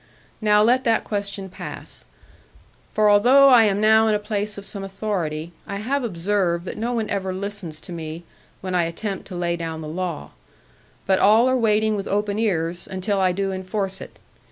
Now let that question pass. For although I am now in a place of some authority, I have observed that no one ever listens to me, when I attempt to lay down the law; but all are waiting with open ears until I do enforce it.